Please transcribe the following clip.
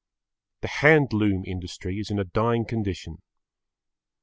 The hand loom industry is in a dying condition.